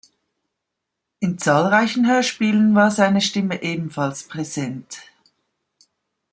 In zahlreichen Hörspielen war seine Stimme ebenfalls präsent.